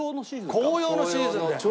紅葉のシーズンで。